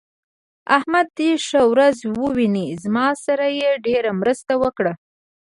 احمد دې ښه ورځ وويني؛ زما سره يې ډېره مرسته وکړه.